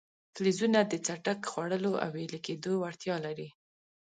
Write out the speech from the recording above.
فلزونه د څټک خوړلو او ویلي کېدو وړتیا لري.